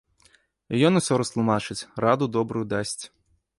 І ён усё растлумачыць, раду добрую дасць.